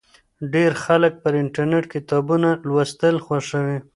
ډیر خلک پر انټرنېټ کتابونه لوستل خوښوي.